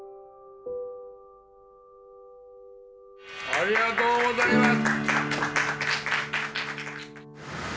ありがとうございます！